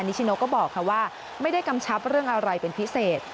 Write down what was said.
ชิโนก็บอกว่าไม่ได้กำชับเรื่องอะไรเป็นพิเศษ